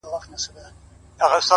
• د یوویشتمي پېړۍ په درېیمه لسیزه کي ,